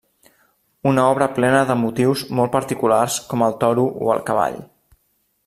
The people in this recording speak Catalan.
Una obra plena de motius molt particulars com el toro o el cavall.